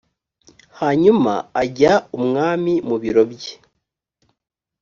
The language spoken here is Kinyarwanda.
hanyuma ajya umwami mu biro bye